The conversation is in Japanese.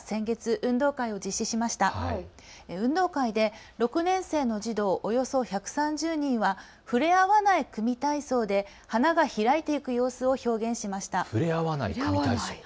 運動会で６年生の児童およそ１３０人は触れ合わない組み体操で花が開いていく様子を表現しました。